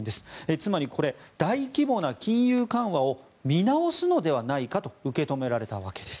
つまりこれ、大規模な金融緩和を見直すのではないかと受け止められたわけです。